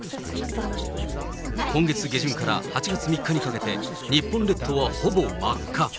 今月下旬から８月３日にかけて、日本列島はほぼ真っ赤。